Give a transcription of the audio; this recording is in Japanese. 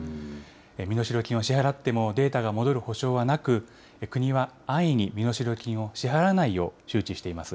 身代金を支払ってもデータが戻る保証はなく、国は安易に身代金を支払わないよう周知しています。